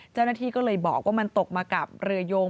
เจ้าหน้าที่ก็เลยบอกว่ามันตกมากับเรือยง